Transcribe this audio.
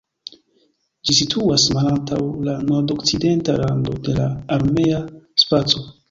Ĝi situas malantaŭ la nordokcidenta rando de la armea spaco.